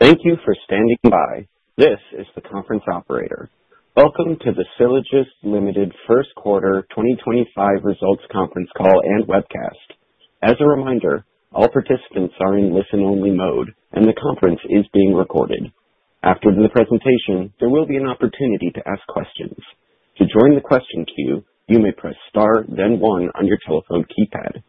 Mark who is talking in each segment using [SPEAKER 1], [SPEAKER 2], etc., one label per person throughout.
[SPEAKER 1] Thank you for standing by. This is the conference operator. Welcome to the Sylogist First Quarter 2025 Results Conference Call and Webcast. As a reminder, all participants are in listen-only mode, and the conference is being recorded. After the presentation, there will be an opportunity to ask questions. To join the question queue, you may press star, then one, on your telephone keypad.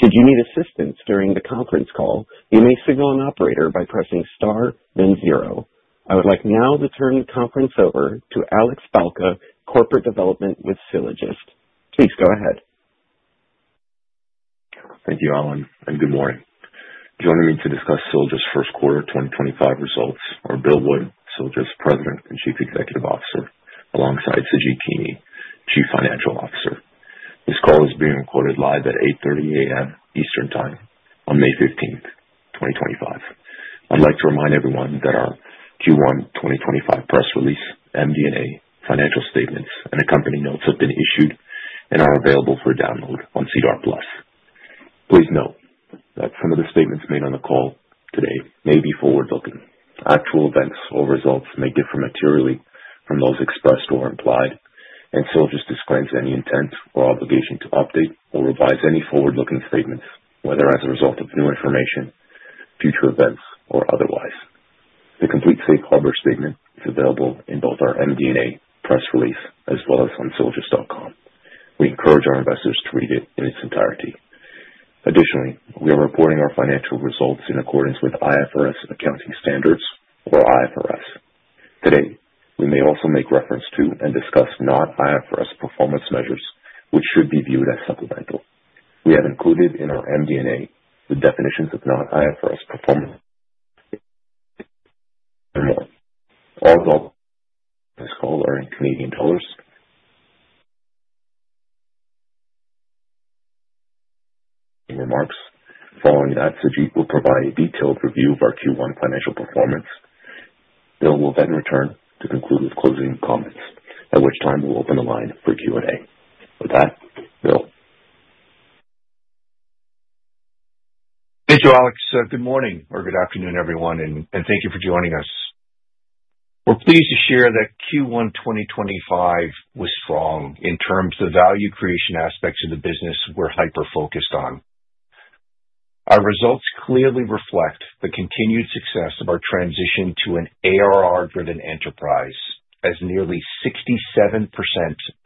[SPEAKER 1] Should you need assistance during the conference call, you may signal an operator by pressing star, then zero. I would like now to turn the conference over to Alex Balca, Corporate Development with Sylogist. Please go ahead.
[SPEAKER 2] Thank you, Alan, and good morning. Joining me to discuss Sylogist first quarter 2025 results are Bill Wood, Sylogist President and Chief Executive Officer, alongside Sujeet Kini, Chief Financial Officer. This call is being recorded live at 8:30 A.M. Eastern Time on May 15th, 2025. I'd like to remind everyone that our Q1 2025 press release, MD&A financial statements, and accompanying notes have been issued and are available for download on SEDAR+. Please note that some of the statements made on the call today may be forward-looking. Actual events or results may differ materially from those expressed or implied, and Sylogist disclaims any intent or obligation to update or revise any forward-looking statements, whether as a result of new information, future events, or otherwise. The complete Safe Harbor statement is available in both our MD&A press release as well as on sylogist.com. We encourage our investors to read it in its entirety. Additionally, we are reporting our financial results in accordance with IFRS accounting standards or IFRS. Today, we may also make reference to and discuss non-IFRS performance measures, which should be viewed as supplemental. We have included in our MD&A the definitions of non-IFRS performance and more. All dollars on this call are in CAD. In remarks, following that, Sujeet will provide a detailed review of our Q1 financial performance. Bill will then return to conclude with closing comments, at which time we'll open the line for Q&A. With that, Bill.
[SPEAKER 3] Thank you, Alex. Good morning or good afternoon, everyone, and thank you for joining us. We're pleased to share that Q1 2025 was strong in terms of value creation aspects of the business we're hyper-focused on. Our results clearly reflect the continued success of our transition to an ARR-driven enterprise, as nearly 67%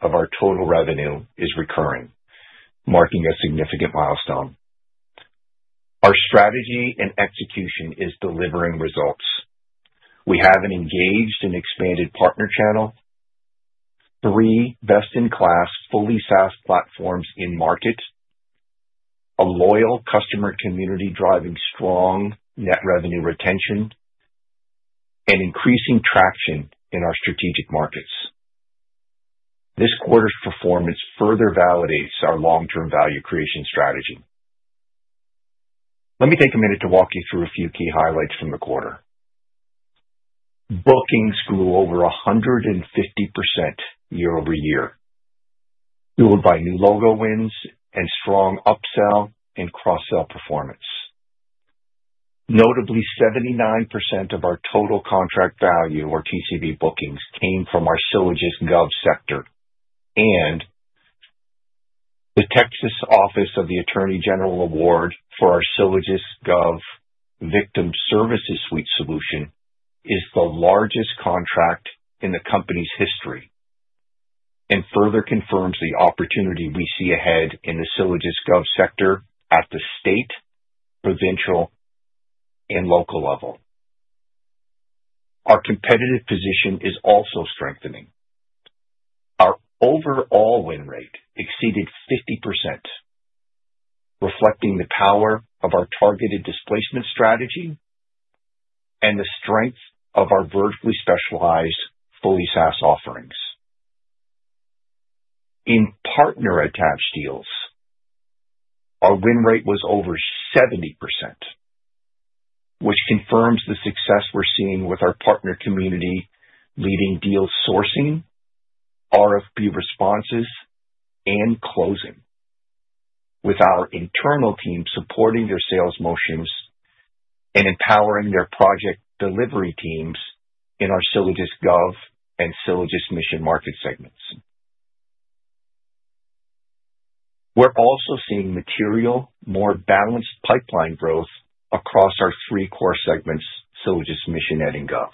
[SPEAKER 3] of our total revenue is recurring, marking a significant milestone. Our strategy and execution is delivering results. We have an engaged and expanded partner channel, three best-in-class fully SaaS platforms in market, a loyal customer community driving strong net revenue retention, and increasing traction in our strategic markets. This quarter's performance further validates our long-term value creation strategy. Let me take a minute to walk you through a few key highlights from the quarter. Bookings grew over 150% year-over-year. We were by new logo wins and strong upsell and cross-sell performance. Notably, 79% of our Total Contract Value or TCV bookings came from our SylogistGov sector, and the Texas Office of the Attorney General award for our SylogistGov Victim Services Suite solution is the largest contract in the company's history and further confirms the opportunity we see ahead in the SylogistGov sector at the state, provincial, and local level. Our competitive position is also strengthening. Our overall win rate exceeded 50%, reflecting the power of our targeted displacement strategy and the strength of our vertically specialized fully SaaS offerings. In partner attached deals, our win rate was over 70%, which confirms the success we're seeing with our partner community leading deal sourcing, RFP responses, and closing, with our internal team supporting their sales motions and empowering their project delivery teams in our SylogistGov and SylogistMission market segments. We're also seeing material, more balanced pipeline growth across our three core segments, SylogistMission, and in Gov.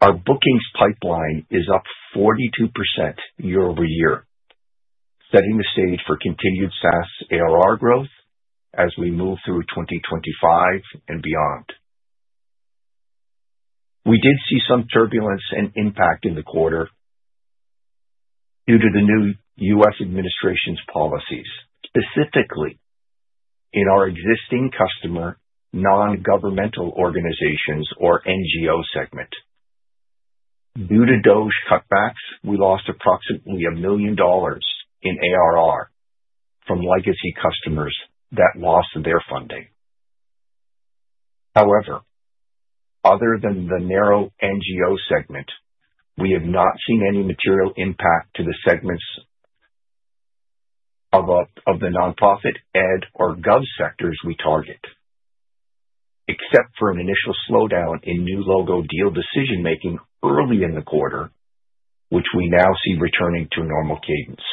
[SPEAKER 3] Our bookings pipeline is up 42% year-over-year, setting the stage for continued SaaS ARR growth as we move through 2025 and beyond. We did see some turbulence and impact in the quarter due to the new U.S. administration's policies, specifically in our existing customer non-governmental organizations or NGO segment. Due to DOGE cutbacks, we lost approximately 1 million dollars in ARR from Legacy customers that lost their funding. However, other than the narrow NGO segment, we have not seen any material impact to the segments of the nonprofit, Ed, or Gov sectors we target, except for an initial slowdown in new logo deal decision-making early in the quarter, which we now see returning to normal cadence.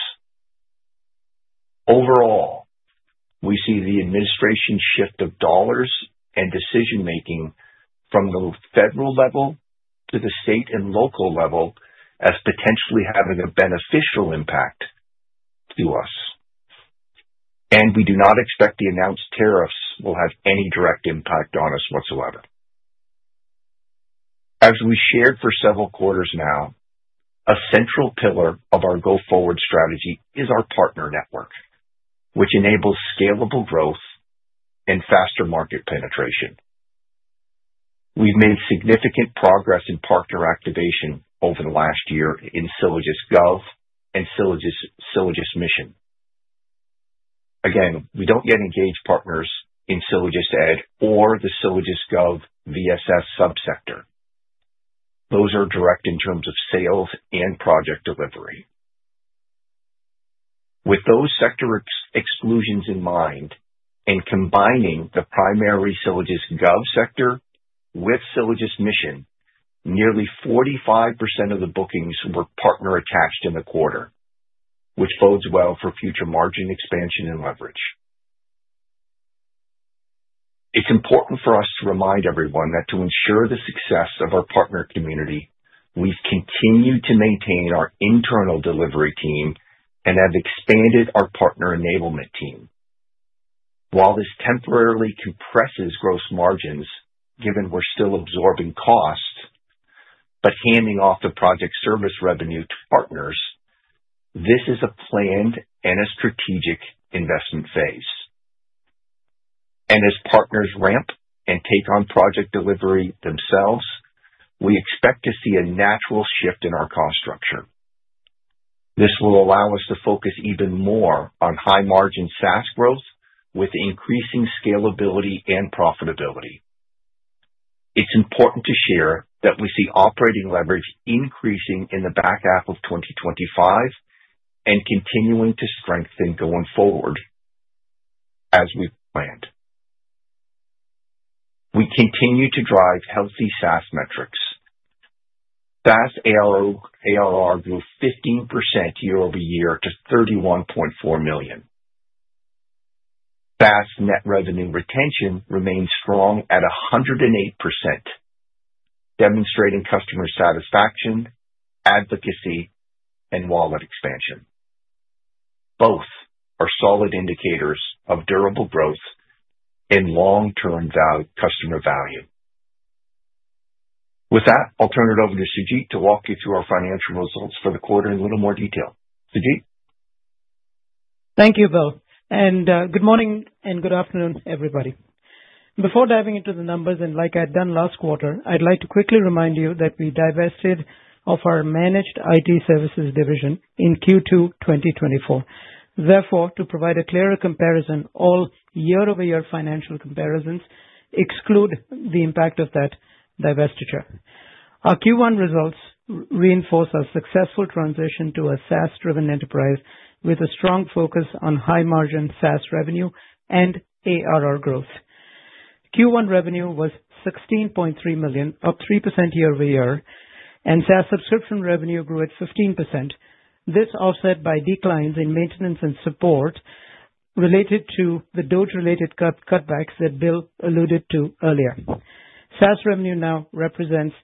[SPEAKER 3] Overall, we see the administration shift of dollars and decision-making from the federal level to the state and local level as potentially having a beneficial impact to us, and we do not expect the announced tariffs will have any direct impact on us whatsoever. As we shared for several quarters now, a central pillar of our go-forward strategy is our partner network, which enables scalable growth and faster market penetration. We've made significant progress in partner activation over the last year in SylogistGov and SylogistMission. Again, we don't yet engage partners in SylogistEd or the SylogistGov VSS subsector. Those are direct in terms of sales and project delivery. With those sector exclusions in mind and combining the primary SylogistGov sector with SylogistMission, nearly 45% of the bookings were partner attached in the quarter, which bodes well for future margin expansion and leverage. It's important for us to remind everyone that to ensure the success of our partner community, we've continued to maintain our internal delivery team and have expanded our partner enablement team. While this temporarily compresses gross margins, given we're still absorbing costs but handing off the project service revenue to partners, this is a planned and a strategic investment phase. As partners ramp and take on project delivery themselves, we expect to see a natural shift in our cost structure. This will allow us to focus even more on high-margin SaaS growth with increasing scalability and profitability. It's important to share that we see operating leverage increasing in the back half of 2025 and continuing to strengthen going forward as we planned. We continue to drive healthy SaaS metrics. SaaS ARR grew 15% year-over-year to 31.4 million. SaaS net revenue retention remains strong at 108%, demonstrating customer satisfaction, advocacy, and wallet expansion. Both are solid indicators of durable growth and long-term customer value. With that, I'll turn it over to Sujeet to walk you through our financial results for the quarter in a little more detail. Sujeet.
[SPEAKER 4] Thank you both. Good morning and good afternoon, everybody. Before diving into the numbers, and like I had done last quarter, I'd like to quickly remind you that we divested of our managed IT services division in Q2 2024. Therefore, to provide a clearer comparison, all year-over-year financial comparisons exclude the impact of that divestiture. Our Q1 results reinforce our successful transition to a SaaS-driven enterprise with a strong focus on high-margin SaaS revenue and ARR growth. Q1 revenue was 16.3 million, up 3% year-over-year, and SaaS subscription revenue grew at 15%. This offset by declines in maintenance and support related to the DOGE-related cutbacks that Bill alluded to earlier. SaaS revenue now represents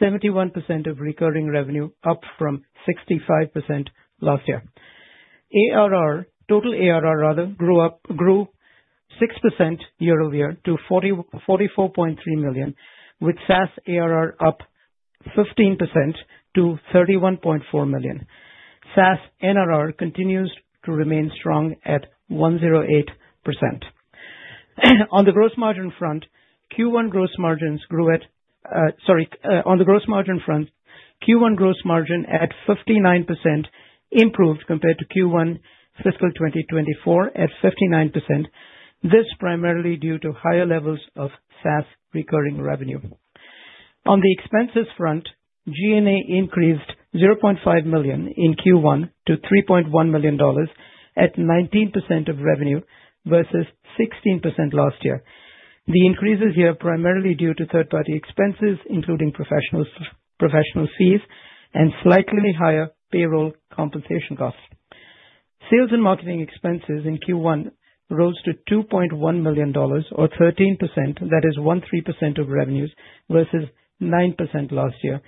[SPEAKER 4] 71% of recurring revenue, up from 65% last year. Total ARR grew 6% year-over-year to 44.3 million, with SaaS ARR up 15% to 31.4 million. SaaS NRR continues to remain strong at 108%. On the gross margin front, Q1 gross margin grew at—sorry—on the gross margin front, Q1 gross margin at 59% improved compared to Q1 fiscal 2024 at 59%. This is primarily due to higher levels of SaaS recurring revenue. On the expenses front, G&A increased 0.5 million in Q1 to 3.1 million dollars at 19% of revenue versus 16% last year. The increases here are primarily due to third-party expenses, including professional fees and slightly higher payroll compensation costs. Sales and marketing expenses in Q1 rose to 2.1 million dollars, or 13%. That is 13% of revenues versus 9% last year.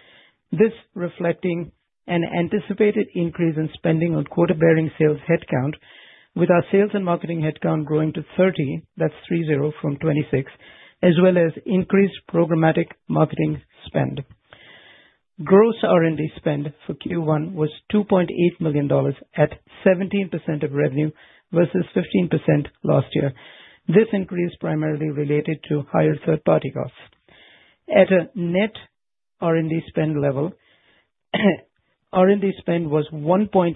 [SPEAKER 4] This reflecting an anticipated increase in spending on quarter-bearing sales headcount, with our sales and marketing headcount growing to 30—that is 30 from 26—as well as increased programmatic marketing spend. Gross R&D spend for Q1 was 2.8 million dollars at 17% of revenue versus 15% last year. This increase is primarily related to higher third-party costs. At a net R&D spend level, R&D spend was 1.8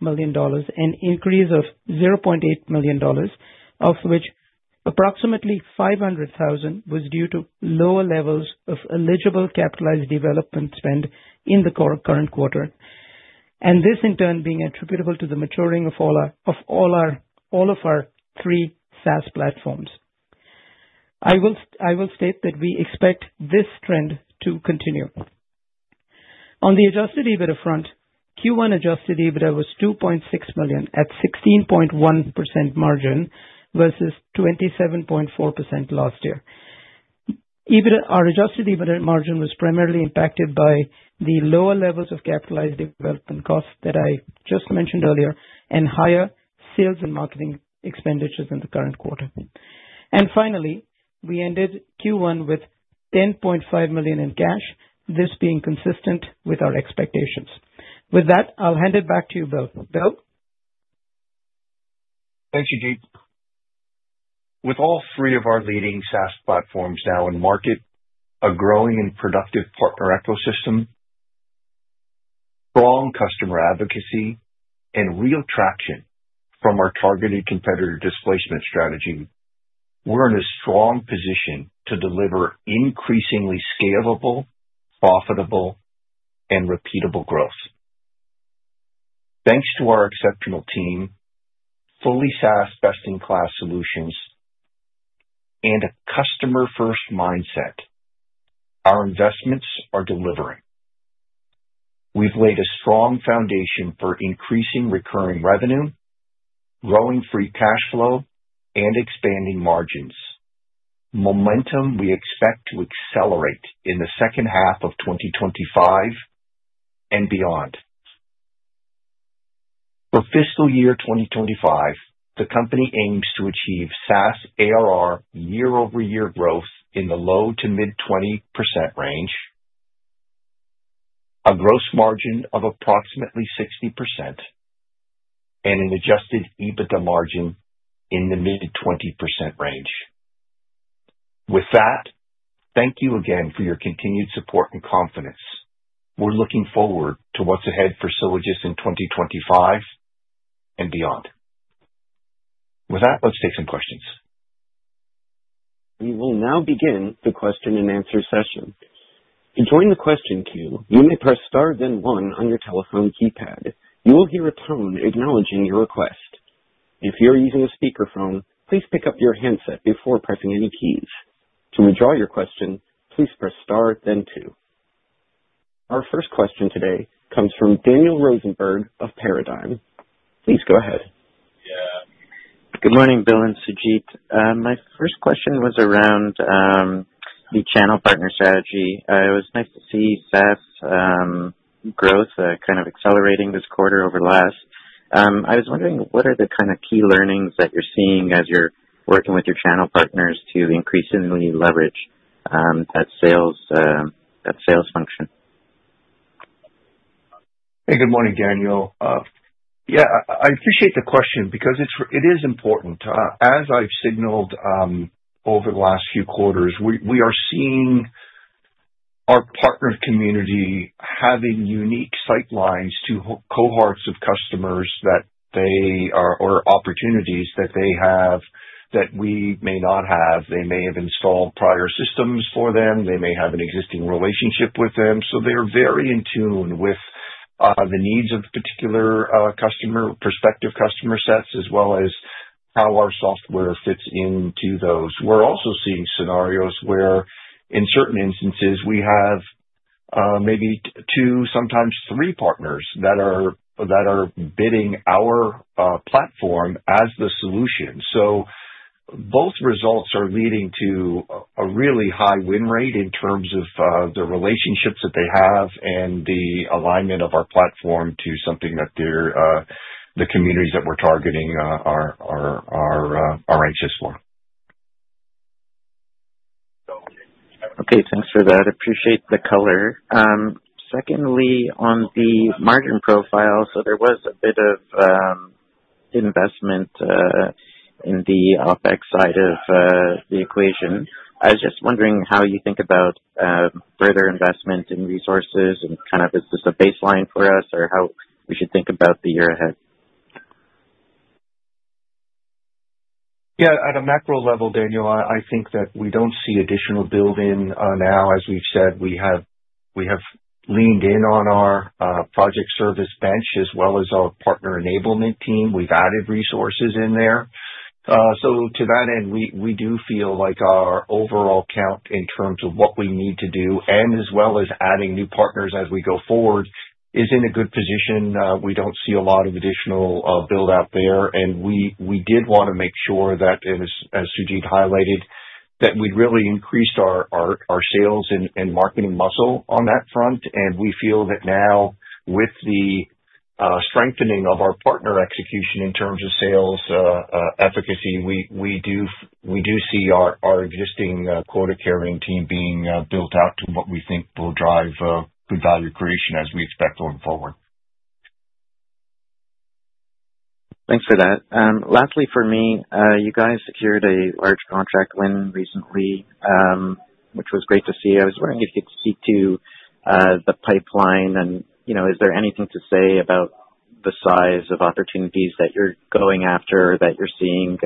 [SPEAKER 4] million dollars—an increase of 0.8 million dollars—of which approximately 500,000 was due to lower levels of eligible capitalized development spend in the current quarter, and this in turn being attributable to the maturing of all of our three SaaS platforms. I will state that we expect this trend to continue. On the adjusted EBITDA front, Q1 adjusted EBITDA was 2.6 million at 16.1% margin versus 27.4% last year. Our adjusted EBITDA margin was primarily impacted by the lower levels of capitalized development costs that I just mentioned earlier and higher sales and marketing expenditures in the current quarter. Finally, we ended Q1 with 10.5 million in cash, this being consistent with our expectations. With that, I'll hand it back to you, Bill. Bill?
[SPEAKER 3] Thanks, Sujeet. With all three of our leading SaaS platforms now in market, a growing and productive partner ecosystem, strong customer advocacy, and real traction from our targeted competitor displacement strategy, we're in a strong position to deliver increasingly scalable, profitable, and repeatable growth. Thanks to our exceptional team, fully SaaS best-in-class solutions, and a customer-first mindset, our investments are delivering. We've laid a strong foundation for increasing recurring revenue, growing free cash flow, and expanding margins, momentum we expect to accelerate in the second half of 2025 and beyond. For fiscal year 2025, the company aims to achieve SaaS ARR year-over-year growth in the low to mid-20% range, a gross margin of approximately 60%, and an adjusted EBITDA margin in the mid-20% range. With that, thank you again for your continued support and confidence. We're looking forward to what's ahead for Sylogist in 2025 and beyond. With that, let's take some questions.
[SPEAKER 1] We will now begin the question-and-answer session. To join the question queue, you may press Star, then 1 on your telephone keypad. You will hear a tone acknowledging your request. If you're using a speakerphone, please pick up your handset before pressing any keys. To withdraw your question, please press Star, then 2. Our first question today comes from Daniel Rosenberg of Paradigm. Please go ahead.
[SPEAKER 5] Yeah. Good morning, Bill and Sujeet. My first question was around the channel partner strategy. It was nice to see SaaS growth kind of accelerating this quarter over the last. I was wondering, what are the kind of key learnings that you're seeing as you're working with your channel partners to increasingly leverage that sales function?
[SPEAKER 3] Hey, good morning, Daniel. Yeah, I appreciate the question because it is important. As I've signaled over the last few quarters, we are seeing our partner community having unique sightlines to cohorts of customers that they are or opportunities that they have that we may not have. They may have installed prior systems for them. They may have an existing relationship with them. They are very in tune with the needs of particular customer, prospective customer sets, as well as how our software fits into those. We're also seeing scenarios where, in certain instances, we have maybe two, sometimes three partners that are bidding our platform as the solution. Both results are leading to a really high win rate in terms of the relationships that they have and the alignment of our platform to something that the communities that we're targeting are anxious for.
[SPEAKER 5] Okay. Thanks for that. Appreciate the color. Secondly, on the margin profile, there was a bit of investment in the OpEx side of the equation. I was just wondering how you think about further investment in resources and kind of is this a baseline for us or how we should think about the year ahead?
[SPEAKER 3] Yeah, at a macro level, Daniel, I think that we do not see additional build-in now. As we have said, we have leaned in on our project service bench as well as our partner enablement team. We have added resources in there. To that end, we do feel like our overall count in terms of what we need to do and as well as adding new partners as we go forward is in a good position. We do not see a lot of additional build-out there. We did want to make sure that, as Sujeet highlighted, we had really increased our sales and marketing muscle on that front. We feel that now, with the strengthening of our partner execution in terms of sales efficacy, we do see our existing quota carrying team being built out to what we think will drive good value creation as we expect going forward.
[SPEAKER 5] Thanks for that. Lastly, for me, you guys secured a large contract win recently, which was great to see. I was wondering if you could speak to the pipeline and is there anything to say about the size of opportunities that you're going after or that you're seeing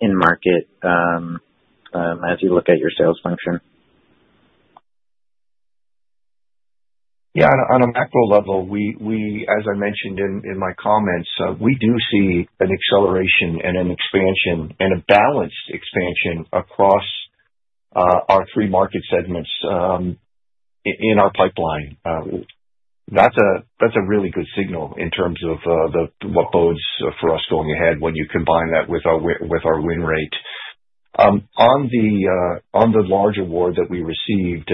[SPEAKER 5] in market as you look at your sales function?
[SPEAKER 3] Yeah, on a macro level, as I mentioned in my comments, we do see an acceleration and an expansion and a balanced expansion across our three market segments in our pipeline. That's a really good signal in terms of what bodes for us going ahead when you combine that with our win rate. On the larger award that we received,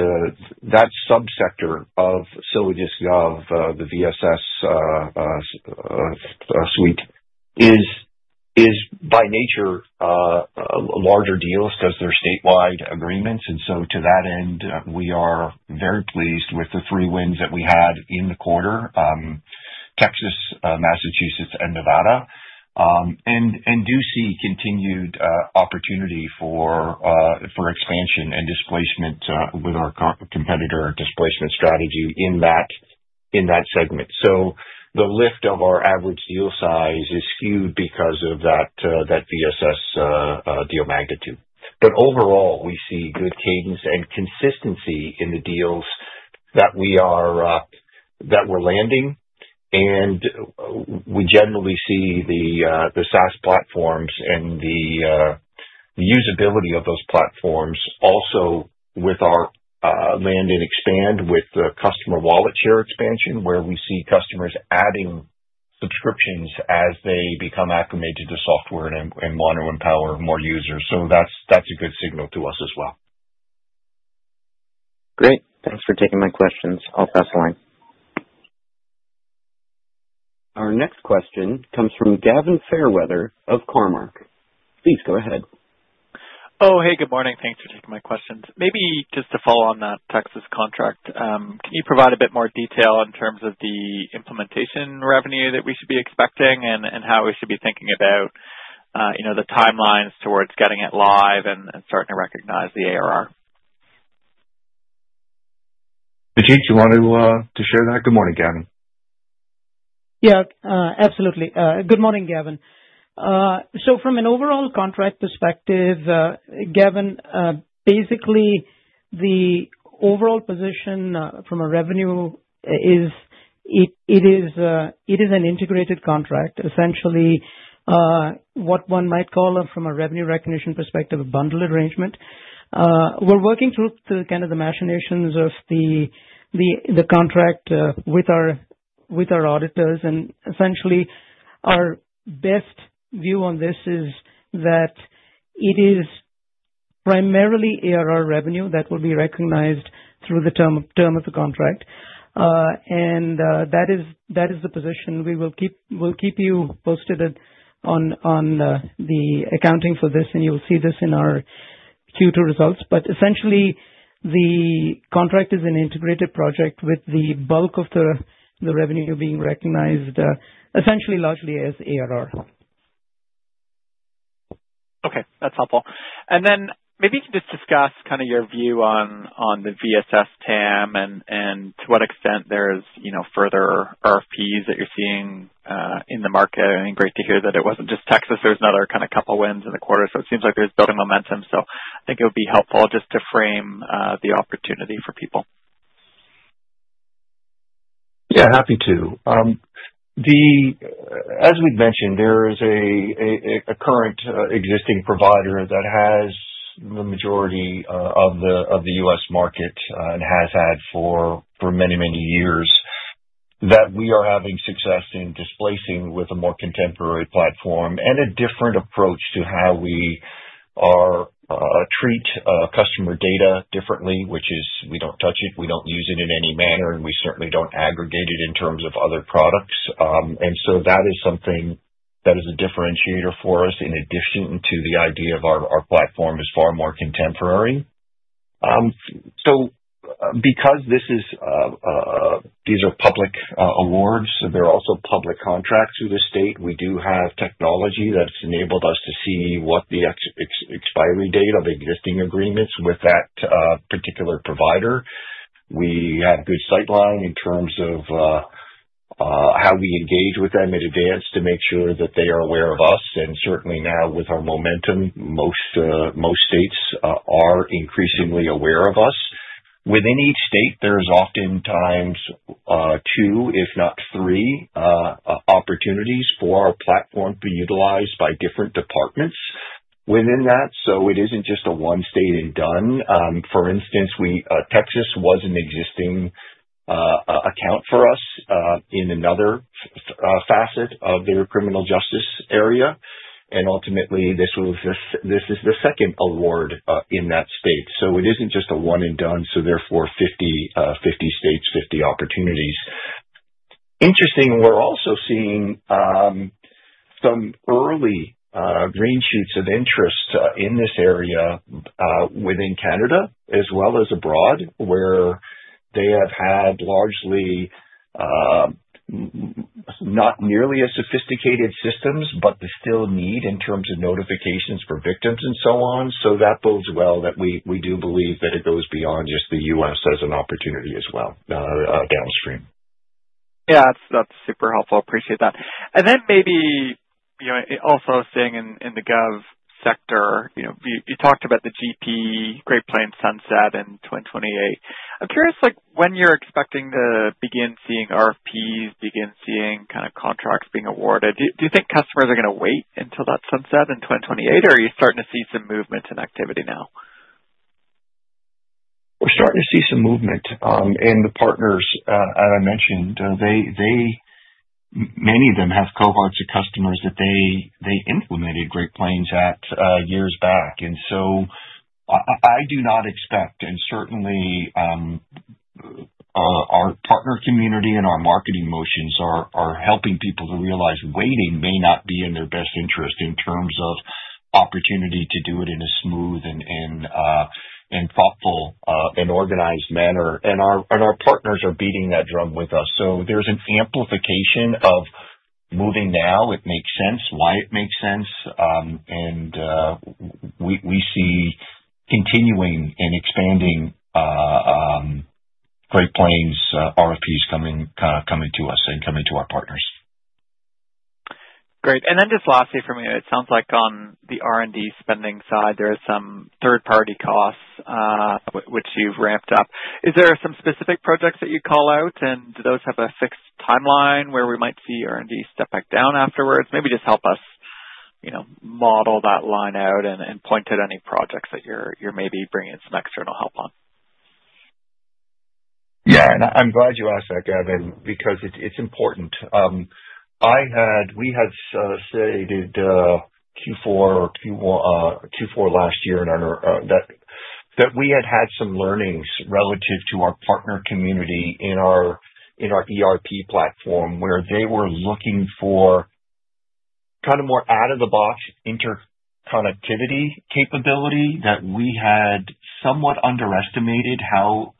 [SPEAKER 3] that subsector of SylogistGov, the VSS Suite, is by nature a larger deal because they're statewide agreements. To that end, we are very pleased with the three wins that we had in the quarter: Texas, Massachusetts, and Nevada, and do see continued opportunity for expansion and displacement with our competitor displacement strategy in that segment. The lift of our average deal size is skewed because of that VSS deal magnitude. Overall, we see good cadence and consistency in the deals that we are landing. We generally see the SaaS platforms and the usability of those platforms also with our land and expand with the customer wallet share expansion, where we see customers adding subscriptions as they become acclimated to software and want to empower more users. That is a good signal to us as well.
[SPEAKER 5] Great. Thanks for taking my questions. I'll pass the line.
[SPEAKER 1] Our next question comes from Gavin Fairweather of Cormark. Please go ahead.
[SPEAKER 6] Oh, hey, good morning. Thanks for taking my questions. Maybe just to follow on that Texas contract, can you provide a bit more detail in terms of the implementation revenue that we should be expecting and how we should be thinking about the timelines towards getting it live and starting to recognize the ARR?
[SPEAKER 3] Sujeet, you want to share that? Good morning, Gavin.
[SPEAKER 4] Yeah, absolutely. Good morning, Gavin. From an overall contract perspective, Gavin, basically the overall position from a revenue is it is an integrated contract, essentially what one might call from a revenue recognition perspective, a bundled arrangement. We are working through kind of the machinations of the contract with our auditors. Essentially, our best view on this is that it is primarily ARR revenue that will be recognized through the term of the contract. That is the position. We will keep you posted on the accounting for this, and you will see this in our Q2 results. Essentially, the contract is an integrated project with the bulk of the revenue being recognized essentially largely as ARR.
[SPEAKER 6] Okay. That's helpful. Maybe you can just discuss kind of your view on the VSS TAM and to what extent there's further RFPs that you're seeing in the market. I mean, great to hear that it wasn't just Texas. There was another kind of couple of wins in the quarter. It seems like there's building momentum. I think it would be helpful just to frame the opportunity for people.
[SPEAKER 3] Yeah, happy to. As we've mentioned, there is a current existing provider that has the majority of the U.S. market and has had for many, many years that we are having success in displacing with a more contemporary platform and a different approach to how we treat customer data differently, which is we don't touch it. We don't use it in any manner, and we certainly don't aggregate it in terms of other products. That is something that is a differentiator for us in addition to the idea of our platform is far more contemporary. Because these are public awards, they're also public contracts through the state, we do have technology that's enabled us to see what the expiry date of existing agreements with that particular provider. We have good sightline in terms of how we engage with them in advance to make sure that they are aware of us. Certainly now, with our momentum, most states are increasingly aware of us. Within each state, there's oftentimes two, if not three, opportunities for our platform to be utilized by different departments within that. It isn't just a one state and done. For instance, Texas was an existing account for us in another facet of their criminal justice area. Ultimately, this is the second award in that state. It isn't just a one and done. Therefore, 50 states, 50 opportunities. Interesting, we're also seeing some early green shoots of interest in this area within Canada as well as abroad where they have had largely not nearly as sophisticated systems, but they still need in terms of notifications for victims and so on. That bodes well that we do believe that it goes beyond just the U.S. as an opportunity as well downstream.
[SPEAKER 6] Yeah, that's super helpful. Appreciate that. Maybe also staying in the Gov sector, you talked about the GP, Great Plains sunset in 2028. I'm curious when you're expecting to begin seeing RFPs, begin seeing kind of contracts being awarded. Do you think customers are going to wait until that sunset in 2028, or are you starting to see some movement and activity now?
[SPEAKER 3] We're starting to see some movement. The partners, as I mentioned, many of them have cohorts of customers that they implemented Great Plains at years back. I do not expect, and certainly our partner community and our marketing motions are helping people to realize waiting may not be in their best interest in terms of opportunity to do it in a smooth and thoughtful and organized manner. Our partners are beating that drum with us. There is an amplification of moving now. It makes sense why it makes sense. We see continuing and expanding Great Plains RFPs coming to us and coming to our partners.
[SPEAKER 6] Great. And then just lastly from you, it sounds like on the R&D spending side, there are some third-party costs which you've ramped up. Is there some specific projects that you call out, and do those have a fixed timeline where we might see R&D step back down afterwards? Maybe just help us model that line out and point at any projects that you're maybe bringing some external help on.
[SPEAKER 3] Yeah. I'm glad you asked that, Gavin, because it's important. We had said in Q4 or Q4 last year that we had had some learnings relative to our partner community in our ERP platform where they were looking for kind of more out-of-the-box interconnectivity capability that we had somewhat underestimated how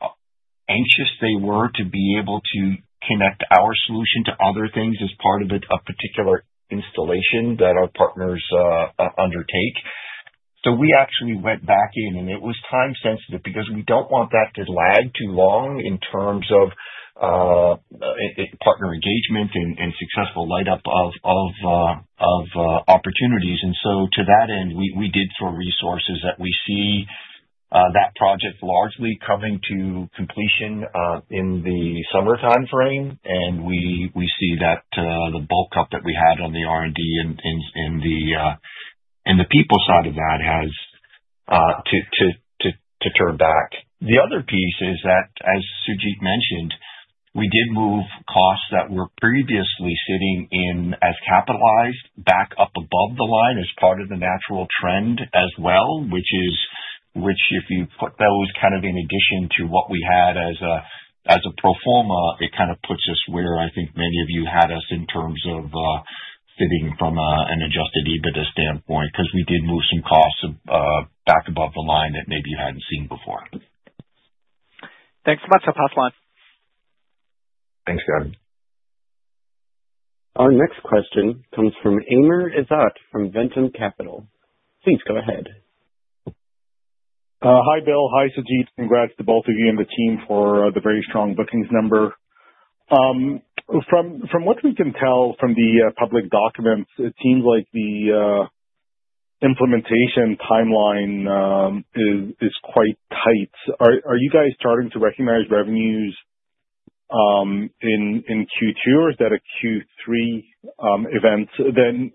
[SPEAKER 3] anxious they were to be able to connect our solution to other things as part of a particular installation that our partners undertake. We actually went back in, and it was time-sensitive because we do not want that to lag too long in terms of partner engagement and successful light-up of opportunities. To that end, we did throw resources that we see that project largely coming to completion in the summer timeframe. We see that the bulk up that we had on the R&D and the people side of that has to turn back. The other piece is that, as Sujeet mentioned, we did move costs that were previously sitting in as capitalized back up above the line as part of the natural trend as well, which if you put those kind of in addition to what we had as a pro forma, it kind of puts us where I think many of you had us in terms of fitting from an adjusted EBITDA standpoint because we did move some costs back above the line that maybe you hadn't seen before.
[SPEAKER 6] Thanks so much. I'll pass the line..
[SPEAKER 3] Thanks, Gavin.
[SPEAKER 1] Our next question comes from Amr Ezzat from Ventum Capital. Please go ahead.
[SPEAKER 7] Hi, Bill. Hi, Sujeet. Congrats to both of you and the team for the very strong bookings number. From what we can tell from the public documents, it seems like the implementation timeline is quite tight. Are you guys starting to recognize revenues in Q2, or is that a Q3 event?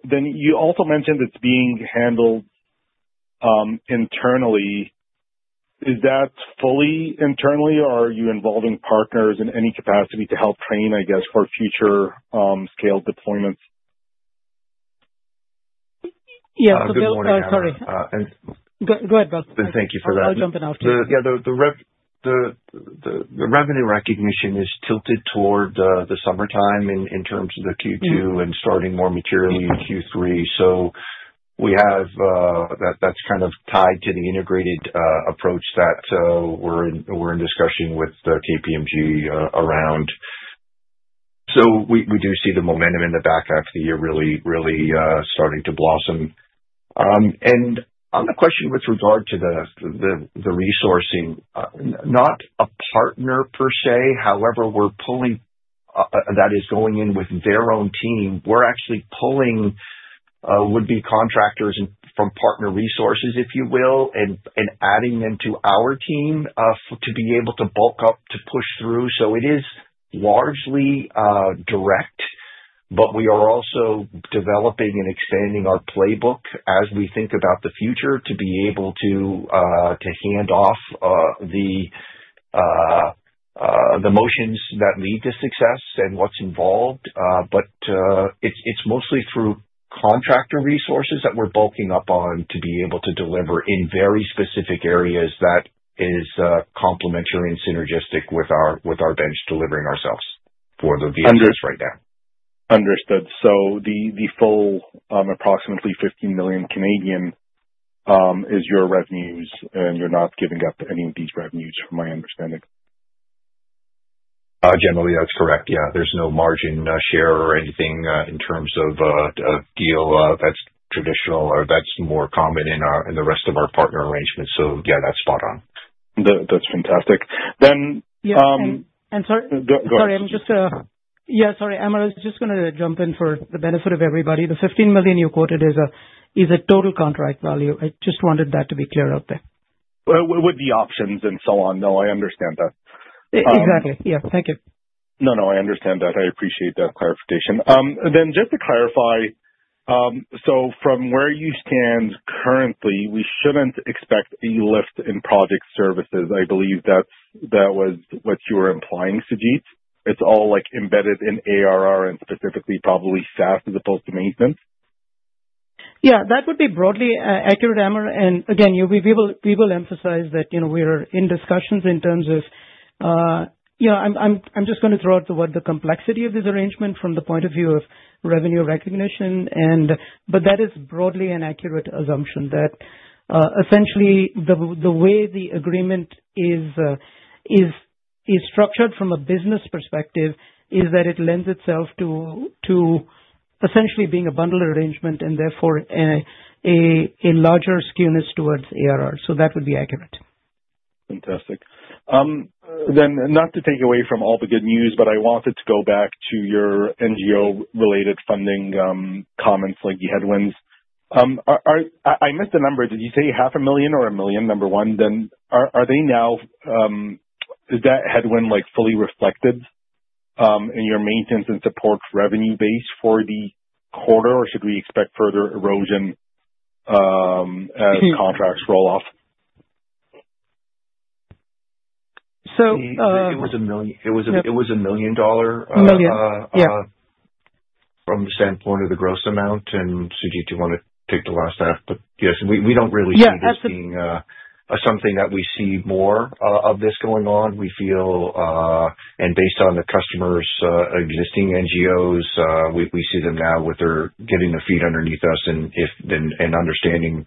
[SPEAKER 7] You also mentioned it's being handled internally. Is that fully internally, or are you involving partners in any capacity to help train, I guess, for future scale deployments?
[SPEAKER 4] Yeah. Bill, sorry. Go ahead, Bill.
[SPEAKER 3] Good morning, Amr. Thank you for that.
[SPEAKER 4] I'll jump in now.
[SPEAKER 3] Yeah, the revenue recognition is tilted toward the summertime in terms of the Q2 and starting more materially in Q3. That is kind of tied to the integrated approach that we're in discussion with KPMG around. We do see the momentum in the back half of the year really starting to blossom. On the question with regard to the resourcing, not a partner per se, however, we're pulling that is going in with their own team. We're actually pulling would-be contractors from partner resources, if you will, and adding them to our team to be able to bulk up to push through. It is largely direct, but we are also developing and expanding our playbook as we think about the future to be able to hand off the motions that lead to success and what's involved. It is mostly through contractor resources that we're bulking up on to be able to deliver in very specific areas that is complementary and synergistic with our bench delivering ourselves for the VSS right now.
[SPEAKER 7] Understood. The full approximately 15 million is your revenues, and you're not giving up any of these revenues from my understanding.
[SPEAKER 3] Generally, that's correct. Yeah. There's no margin share or anything in terms of deal that's traditional or that's more common in the rest of our partner arrangements. Yeah, that's spot on.
[SPEAKER 7] That's fantastic.
[SPEAKER 4] Yeah. Sorry.
[SPEAKER 7] Go ahead.
[SPEAKER 4] Sorry. I'm just going to—yeah, sorry. Amr, I was just going to jump in for the benefit of everybody. The 15 million you quoted is a total contract value. I just wanted that to be clear out there.
[SPEAKER 7] With the options and so on, though. I understand that.
[SPEAKER 4] Exactly. Yeah. Thank you.
[SPEAKER 7] No, no. I understand that. I appreciate that clarification. Then just to clarify, from where you stand currently, we shouldn't expect a lift in project services. I believe that was what you were implying, Sujeet. It's all embedded in ARR and specifically probably SaaS as opposed to maintenance.
[SPEAKER 4] Yeah. That would be broadly accurate, Amr. Again, we will emphasize that we are in discussions in terms of—I'm just going to throw out the word the complexity of this arrangement from the point of view of revenue recognition. That is broadly an accurate assumption that essentially the way the agreement is structured from a business perspective is that it lends itself to essentially being a bundled arrangement and therefore a larger skewness towards ARR. That would be accurate.
[SPEAKER 7] Fantastic. Not to take away from all the good news, but I wanted to go back to your NGO-related funding comments, like the headwinds. I missed a number. Did you say 500,000 or 1 million? Number one. Are they now—is that headwind fully reflected in your maintenance and support revenue base for the quarter, or should we expect further erosion as contracts roll off?
[SPEAKER 3] It was 1 million dollar.
[SPEAKER 4] A 1 million dollar. Yeah.
[SPEAKER 3] From the standpoint of the gross amount. Sujeet, do you want to take the last half? Yes, we do not really see this being something that we see more of this going on. Based on the customers' existing NGOs, we see them now with their getting their feet underneath us and understanding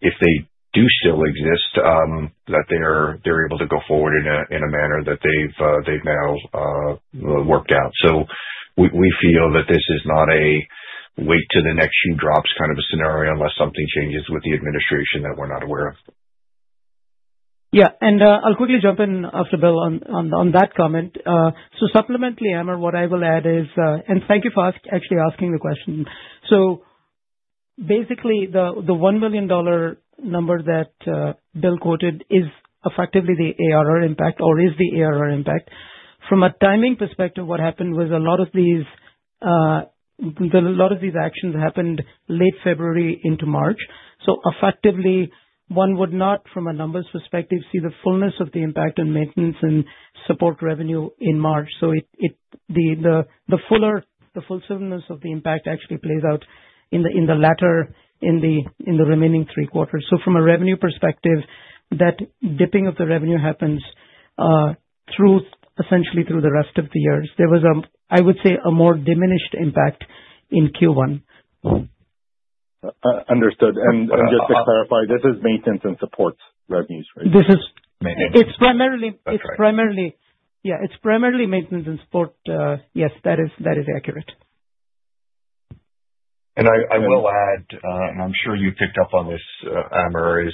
[SPEAKER 3] if they do still exist, that they are able to go forward in a manner that they have now worked out. We feel that this is not a wait till the next shoe drops kind of a scenario unless something changes with the administration that we are not aware of.
[SPEAKER 4] Yeah. I'll quickly jump in after Bill on that comment. Supplementally, Amr, what I will add is—thank you for actually asking the question. Basically, the 1 million dollar number that Bill quoted is effectively the ARR impact or is the ARR impact. From a timing perspective, what happened was a lot of these actions happened late February into March. Effectively, one would not, from a numbers perspective, see the fullness of the impact on maintenance and support revenue in March. The fullness of the impact actually plays out in the latter, in the remaining three quarters. From a revenue perspective, that dipping of the revenue happens essentially through the rest of the years. There was, I would say, a more diminished impact in Q1.
[SPEAKER 7] Understood. Just to clarify, this is maintenance and support revenues, right?
[SPEAKER 4] This is—it's primarily—yeah, it's primarily maintenance and support. Yes, that is accurate.
[SPEAKER 3] I will add, and I'm sure you picked up on this, Amr,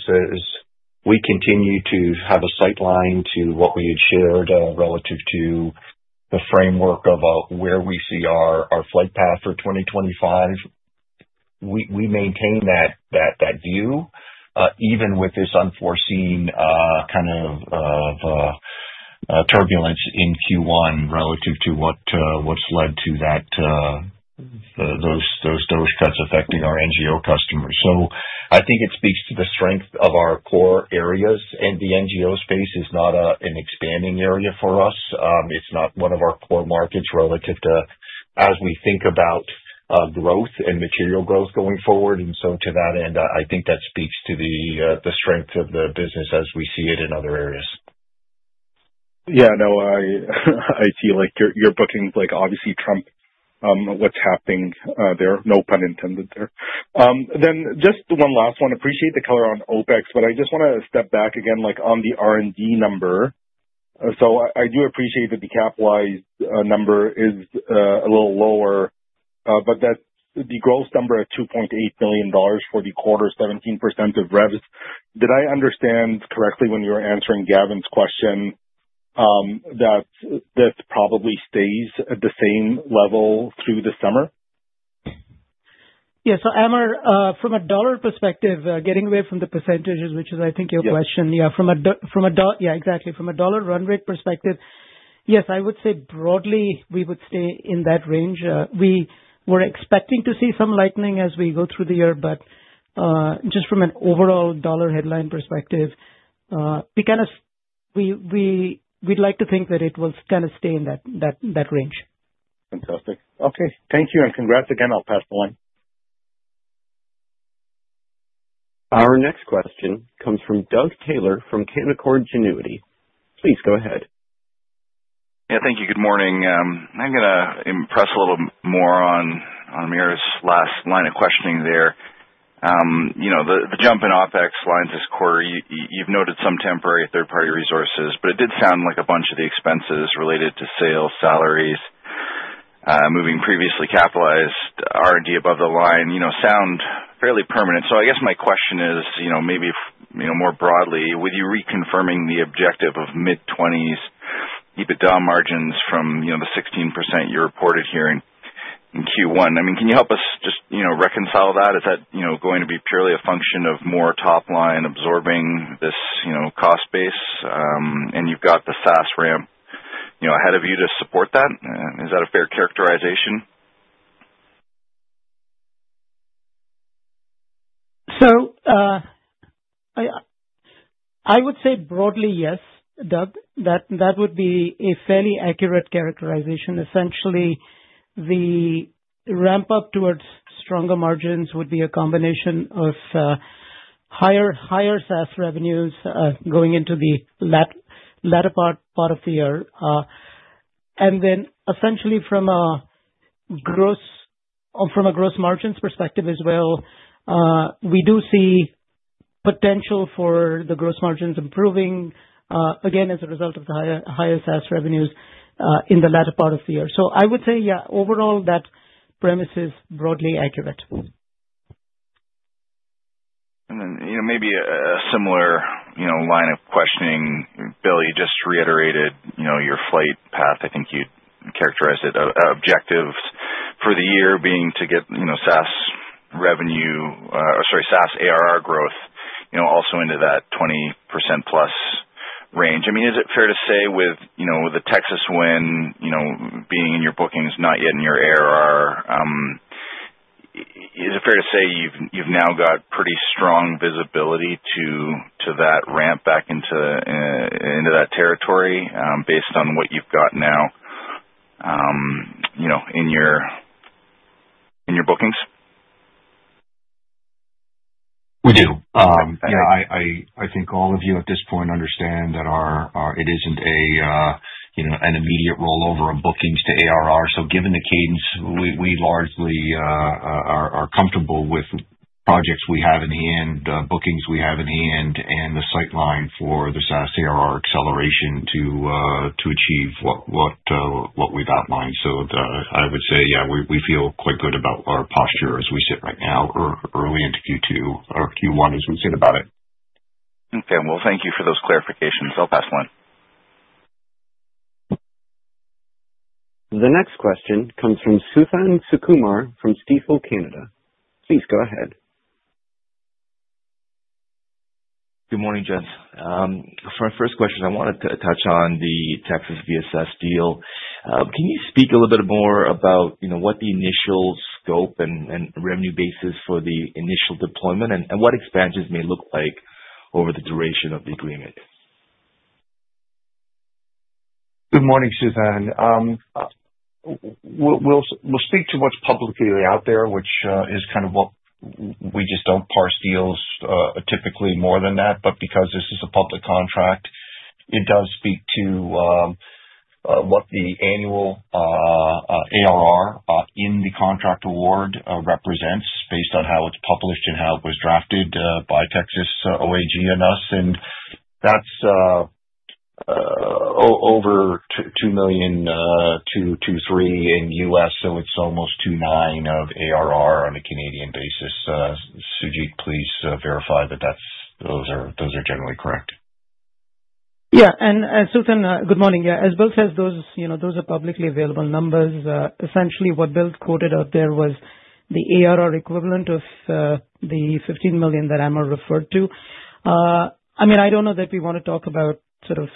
[SPEAKER 3] we continue to have a sight line to what we had shared relative to the framework of where we see our flight path for 2025. We maintain that view even with this unforeseen kind of turbulence in Q1 relative to what's led to those cuts affecting our NGO customers. I think it speaks to the strength of our core areas. The NGO space is not an expanding area for us. It's not one of our core markets relative to as we think about growth and material growth going forward. To that end, I think that speaks to the strength of the business as we see it in other areas.
[SPEAKER 7] Yeah. No, I see your bookings obviously trump what's happening there. No pun intended there. Just one last one. Appreciate the color on OpEx, but I just want to step back again on the R&D number. I do appreciate that the CapEx number is a little lower, but the gross number at 2.8 million dollars for the quarter, 17% of revs. Did I understand correctly when you were answering Gavin's question that this probably stays at the same level through the summer?
[SPEAKER 4] Yeah. Amr, from a dollar perspective, getting away from the percentages, which is I think your question. Yeah. From a—yeah, exactly. From a dollar run rate perspective, yes, I would say broadly we would stay in that range. We were expecting to see some lightening as we go through the year, but just from an overall dollar headline perspective, we kind of—we'd like to think that it will kind of stay in that range.
[SPEAKER 7] Fantastic. Okay. Thank you. And congrats again. I'll pass the line.
[SPEAKER 1] Our next question comes from Doug Taylor from Canaccord Genuity. Please go ahead.
[SPEAKER 8] Yeah. Thank you. Good morning. I'm going to press a little more on Amr's last line of questioning there. The jump in OpEx lines this quarter, you've noted some temporary third-party resources, but it did sound like a bunch of the expenses related to sales, salaries, moving previously capitalized R&D above the line sound fairly permanent. I guess my question is maybe more broadly, with you reconfirming the objective of mid-20s, keep-it-down margins from the 16% you reported here in Q1. I mean, can you help us just reconcile that? Is that going to be purely a function of more top-line absorbing this cost base? You've got the SaaS ramp ahead of you to support that. Is that a fair characterization?
[SPEAKER 4] I would say broadly, yes, Doug. That would be a fairly accurate characterization. Essentially, the ramp-up towards stronger margins would be a combination of higher SaaS revenues going into the latter part of the year. Essentially, from a gross margins perspective as well, we do see potential for the gross margins improving, again, as a result of the higher SaaS revenues in the latter part of the year. I would say, yeah, overall, that premise is broadly accurate.
[SPEAKER 8] Maybe a similar line of questioning. Bill, you just reiterated your flight path. I think you characterized it. Objectives for the year being to get SaaS revenue—sorry, SaaS ARR growth—also into that 20%+ range. I mean, is it fair to say with the Texas win being in your bookings, not yet in your ARR, is it fair to say you've now got pretty strong visibility to that ramp back into that territory based on what you've got now in your bookings?
[SPEAKER 3] We do. Yeah. I think all of you at this point understand that it is not an immediate rollover of bookings to ARR. Given the cadence, we largely are comfortable with projects we have in hand, bookings we have in hand, and the sight line for the SaaS ARR acceleration to achieve what we have outlined. I would say, yeah, we feel quite good about our posture as we sit right now, early into Q2 or Q1 as we sit about it.
[SPEAKER 8] Okay. Thank you for those clarifications. I'll pass the line.
[SPEAKER 1] The next question comes from Suthan Sukumar from Stifel Canada. Please go ahead.
[SPEAKER 9] Good morning, gents. For my first question, I wanted to touch on the Texas VSS deal. Can you speak a little bit more about what the initial scope and revenue basis for the initial deployment and what expansions may look like over the duration of the agreement?
[SPEAKER 3] Good morning, Suthan. We'll speak to what's publicly out there, which is kind of what we just do not parse deals typically more than that. Because this is a public contract, it does speak to what the annual ARR in the contract award represents based on how it is published and how it was drafted by Texas OAG and us. That is over $2 million-$3 million in U.S., so it is almost 2.9 million of ARR on a Canadian basis. Sujeet, please verify that those are generally correct.
[SPEAKER 4] Yeah. Suthan, good morning. Yeah. As Bill says, those are publicly available numbers. Essentially, what Bill quoted out there was the ARR equivalent of the 15 million that Amr referred to. I mean, I do not know that we want to talk about sort of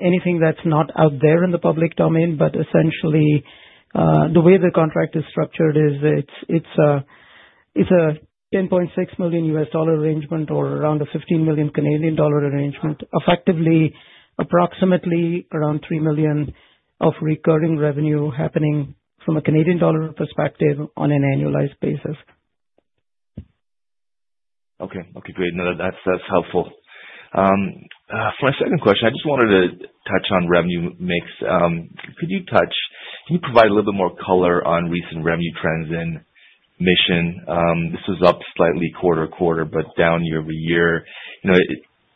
[SPEAKER 4] anything that is not out there in the public domain, but essentially, the way the contract is structured is it is a $10.6 million US dollar arrangement or around a 15 million Canadian dollar arrangement, effectively approximately around 3 million of recurring revenue happening from a Canadian dollar perspective on an annualized basis.
[SPEAKER 9] Okay. Okay. Great. No, that's helpful. For my second question, I just wanted to touch on revenue mix. Could you provide a little bit more color on recent revenue trends in Mission? This was up slightly quarter to quarter, but down year-over-year.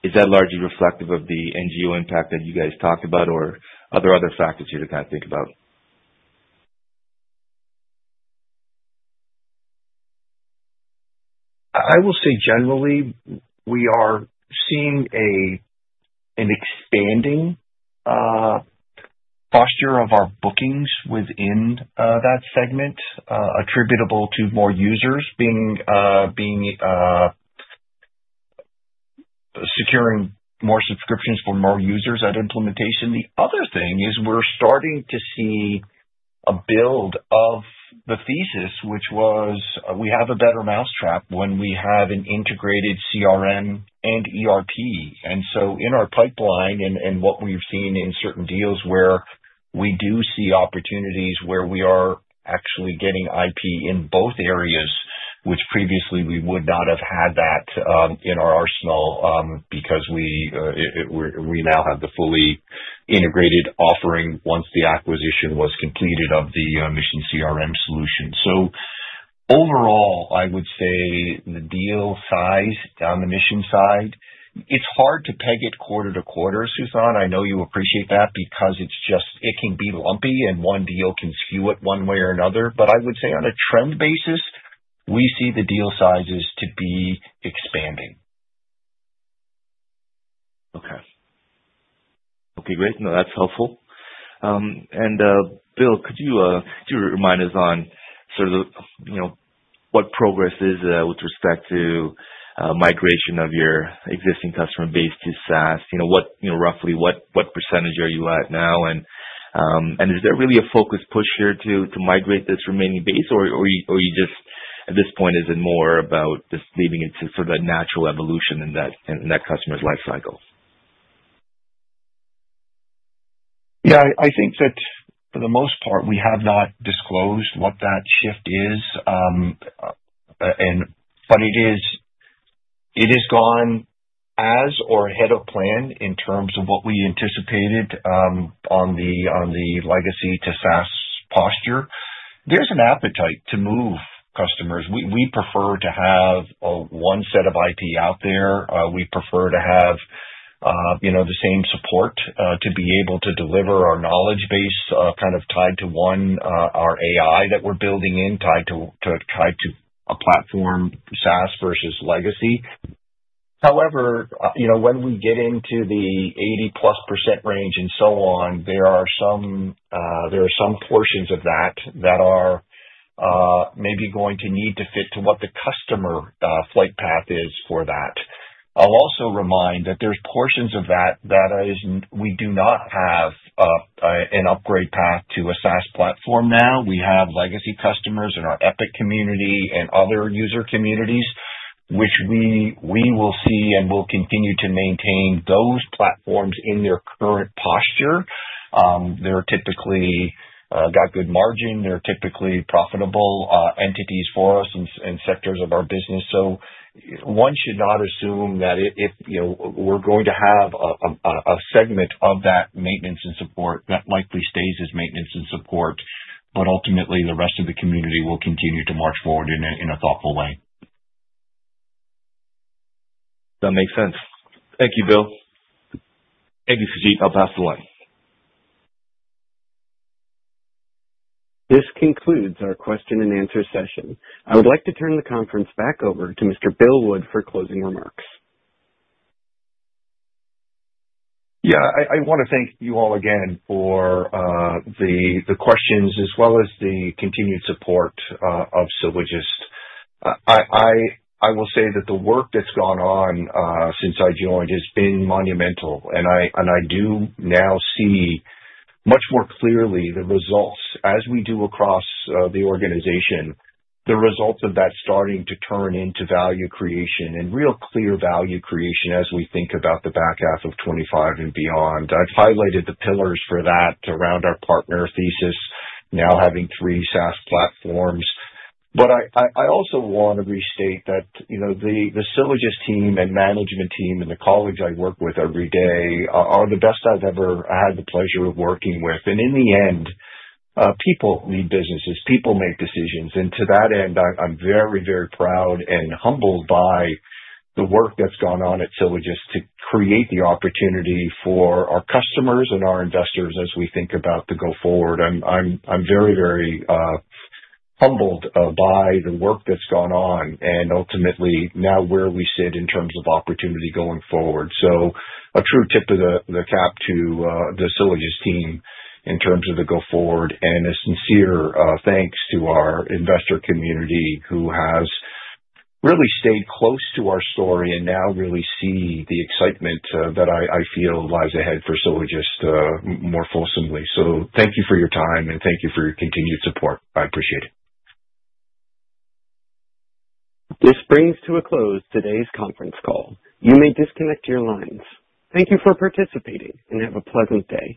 [SPEAKER 9] Is that largely reflective of the NGO impact that you guys talked about or are there other factors you're trying to think about?
[SPEAKER 3] I will say generally, we are seeing an expanding posture of our bookings within that segment attributable to more users securing more subscriptions for more users at implementation. The other thing is we're starting to see a build of the thesis, which was we have a better mousetrap when we have an integrated CRM and ERP. In our pipeline and what we've seen in certain deals where we do see opportunities where we are actually getting IP in both areas, which previously we would not have had that in our arsenal because we now have the fully integrated offering once the acquisition was completed of the Mission CRM solution. Overall, I would say the deal size on the mission side, it's hard to peg it quarter to quarter, Suthan. I know you appreciate that because it can be lumpy and one deal can skew it one way or another. I would say on a trend basis, we see the deal sizes to be expanding.
[SPEAKER 9] Okay. Okay. Great. No, that's helpful. Bill, could you remind us on sort of what progress is with respect to migration of your existing customer base to SaaS? Roughly, what percentage are you at now? Is there really a focused push here to migrate this remaining base, or at this point, is it more about just leaving it to sort of a natural evolution in that customer's lifecycle?
[SPEAKER 3] Yeah. I think that for the most part, we have not disclosed what that shift is. It has gone as or ahead of plan in terms of what we anticipated on the Legacy to SaaS posture. There is an appetite to move customers. We prefer to have one set of IP out there. We prefer to have the same support to be able to deliver our knowledge base kind of tied to one, our AI that we are building in tied to a platform, SaaS versus Legacy. However, when we get into the 80+% range and so on, there are some portions of that that are maybe going to need to fit to what the customer flight path is for that. I will also remind that there are portions of that that we do not have an upgrade path to a SaaS platform now. We have Legacy customers in our Epic community and other user communities, which we will see and will continue to maintain those platforms in their current posture. They're typically got good margin. They're typically profitable entities for us in sectors of our business. One should not assume that if we're going to have a segment of that maintenance and support, that likely stays as maintenance and support, but ultimately, the rest of the community will continue to march forward in a thoughtful way.
[SPEAKER 9] That makes sense. Thank you, Bill. Thank you, Sujeet. I'll pass the line.
[SPEAKER 1] This concludes our question and answer session. I would like to turn the conference back over to Mr. Bill Wood for closing remarks.
[SPEAKER 3] Yeah. I want to thank you all again for the questions as well as the continued support of Sylogist. I will say that the work that's gone on since I joined has been monumental. I do now see much more clearly the results as we do across the organization, the results of that starting to turn into value creation and real clear value creation as we think about the back half of 2025 and beyond. I've highlighted the pillars for that around our partner thesis, now having three SaaS platforms. I also want to restate that the Sylogist team and management team and the colleagues I work with every day are the best I've ever had the pleasure of working with. In the end, people lead businesses. People make decisions. To that end, I'm very, very proud and humbled by the work that's gone on at Sylogist to create the opportunity for our customers and our investors as we think about the go-forward. I'm very, very humbled by the work that's gone on and ultimately now where we sit in terms of opportunity going forward. A true tip of the cap to the Sylogist team in terms of the go-forward and a sincere thanks to our investor community who has really stayed close to our story and now really see the excitement that I feel lies ahead for Sylogist more fulsomely. Thank you for your time and thank you for your continued support. I appreciate it.
[SPEAKER 1] This brings to a close today's conference call. You may disconnect your lines. Thank you for participating and have a pleasant day.